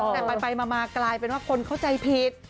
แต่ไปมากลายเป็นว่าคนเข้าใจผิด